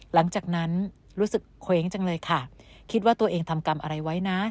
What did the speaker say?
หลังจากนั้นรู้สึกเคว้งจังเลยค่ะคิดว่าตัวเองทำกรรมอะไรไว้นะ